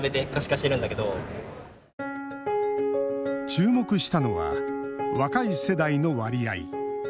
注目したのは若い世代の割合。